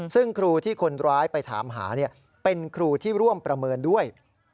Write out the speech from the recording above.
ซึ่งครูที่คนร้ายไปถามหาเป็นครูที่ร่วมประเมินด้วย